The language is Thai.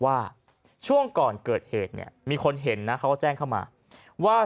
ว่าช่วงก่อนเกิดเหตุเนี่ยมีคนเห็นนะเขาก็แจ้งเข้ามาว่า